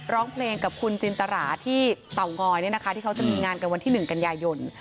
ร้องเพลงกับคุณจินตราที่เต๋างอยเนี่ยนะคะที่เขาจะมีงานกันวันที่หนึ่งกันยายน